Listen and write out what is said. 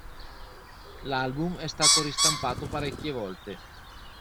L'album è stato ristampato parecchie volte.